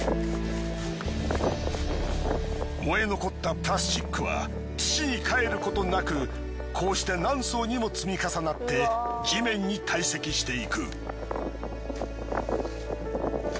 燃え残ったプラスチックは土にかえることなくこうして何層にも積み重なって地面に堆積していく。